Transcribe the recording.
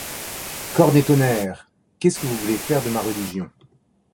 Corne et tonnerre ! qu’est-ce que vous voulez faire de ma religion ?